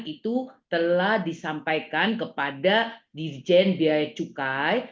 itu telah disampaikan kepada dirjen biaya cukai